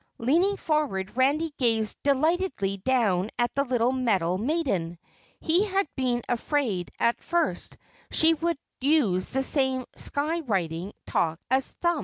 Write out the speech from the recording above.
Leaning forward, Randy gazed delightedly down at the little metal maiden. He had been afraid at first she would use the same sky writing talk as Thun.